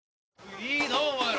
いいなお前ら。